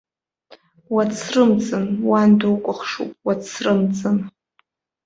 Уацрымҵын, уан дукәыхшоуп, уацрымҵын!